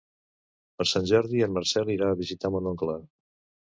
Per Sant Jordi en Marcel irà a visitar mon oncle.